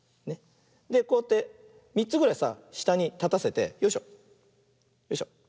でこうやって３つぐらいさしたにたたせてよいしょよいしょ。